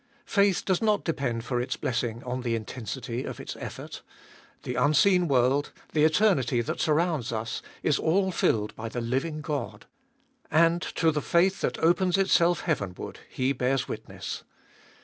Faith does not depend for its blessing on the intensity of its effort ; the unseen world, the eternity that surrounds us, is all filled by the living God ; and to the faith that opens itself heavenward He bears witness.